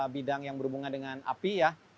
bidang yang berhubungan dengan api ya